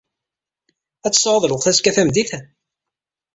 Ad tesɛuḍ lweqt azekka tameddit?